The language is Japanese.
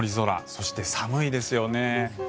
そして、寒いですよね。